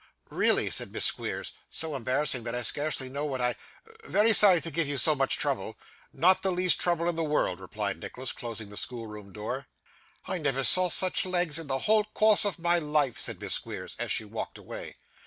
'Really,' said Miss Squeers; 'so embarrassing that I scarcely know what I very sorry to give you so much trouble.' 'Not the least trouble in the world,' replied Nicholas, closing the schoolroom door. 'I never saw such legs in the whole course of my life!' said Miss Squeers, as she walked away.